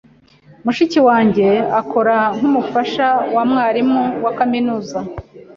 Mushiki wanjye akora nk'umufasha wa mwarimu wa kaminuza.